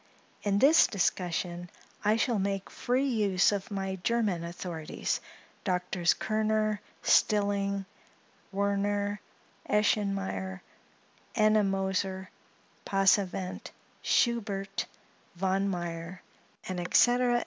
In this discussion, I shall make free use of my German authorities, Doctors Kerner, Stilling, Werner, Eschenmayer, Ennemoser, Passavent, Schubert, Von Meyer, &c., &c.